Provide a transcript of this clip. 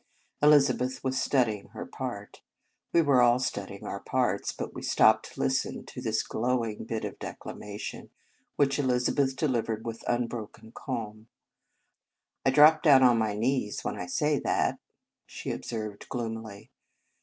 Elizabeth was studying her part. We were all studying our parts; but we stopped to listen to this glowing bit of declamation, which Elizabeth delivered with unbroken calm. " I drop down on my knees when I say that," she observed gloomily.